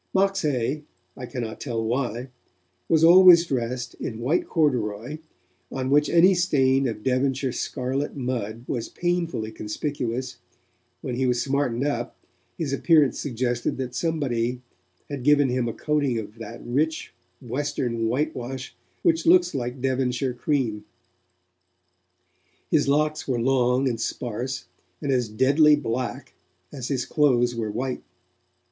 Moxhay, I cannot tell why, was always dressed in white corduroy, on which any stain of Devonshire scarlet mud was painfully conspicuous; when he was smartened up, his appearance suggested that somebody had given him a coating of that rich Western whitewash which looks like Devonshire cream. His locks were long and sparse, and as deadly black as his clothes were white.